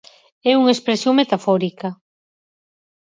É unha expresión metafórica.